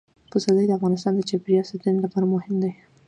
پسرلی د افغانستان د چاپیریال ساتنې لپاره مهم دي.